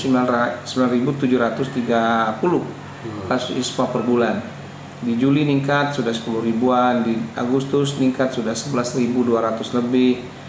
sembilan tujuh ratus tiga puluh pas ispa perbulan di juli meningkat sudah sepuluh an di agustus meningkat sudah sebelas dua ratus lebih